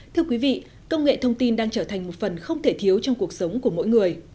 thưa quý vị công nghệ thông tin đang trở thành một phần không thể thiếu trong cuộc sống của mỗi người